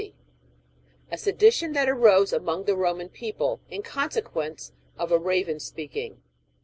— A SEDITION THAT AEOSE AMONG THE EOMAN PEOPLE, IN CONSEQUENCE OF A EAVEN SPEAKING.